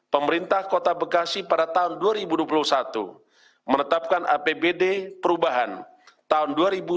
pemerintah kota bekasi pada tahun dua ribu dua puluh satu menetapkan apbd perubahan tahun dua ribu dua puluh